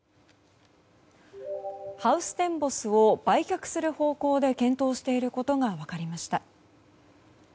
ハウステンボスを売却する方向で検討していることが分かりました。